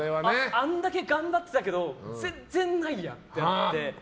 あんだけ頑張ってたけど全然ないんやと思って。